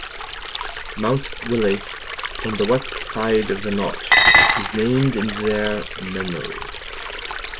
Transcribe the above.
Mount Willey, on the west side of the notch, is named in their memory.